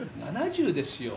７０ですよ。